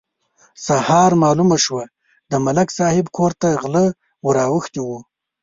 سهار مالومه شوه: د ملک صاحب کور ته غله ور اوښتي وو.